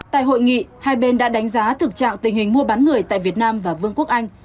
tại hội nghị hai bên đã đánh giá thực trạng tình hình mua bán người tại việt nam và vương quốc anh